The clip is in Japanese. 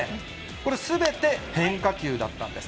これ、すべて変化球だったんです。